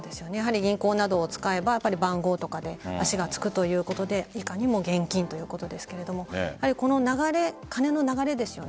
銀行などを使えば番号とかで足がつくということでいかにも現金ということですけれどもこの金の流れですよね